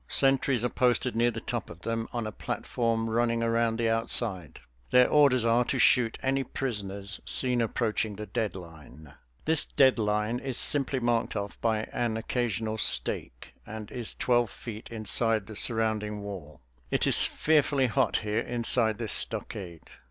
Sentries are posted near the top of them on a platform running around the outside. Their orders are to shoot any prisoners seen approaching the dead line. This dead line is simply marked off by an occasional stake, and is twelve feet inside the surrounding wall. It is fearfully hot here inside this stockade.